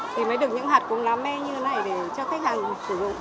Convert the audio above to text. để mới được những hạt cốm lá me như này để cho khách hàng sử dụng